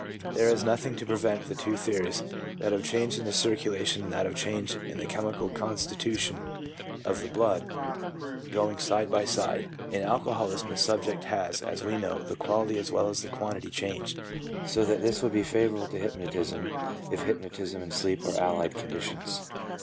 There is nothing to prevent the two theories, that of change in the circulation, and that of change in the chemical constitution of the blood, going side by side. In alcoholism the subject has, as we know, the quality as w r ell as the quantity changed, so that this would be favourable to hyp notism, if hypnotism and sleep are allied conditions.